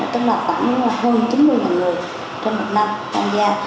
tức là khoảng hơn chín mươi người trên một năm tham gia